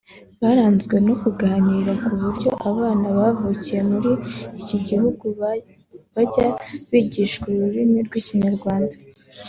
byaranzwe no kuganira ku buryo abana bavukiye muri iki gihugu bajya bigishwa ururimi rw’ikinyarwanda